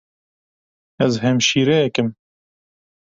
Ez hemşîreyek im.